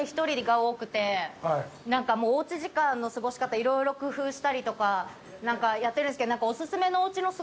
お家時間の過ごし方いろいろ工夫したりとか何かやってるんですけど。